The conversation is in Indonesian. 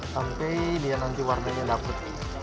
sampai nanti warnanya dapat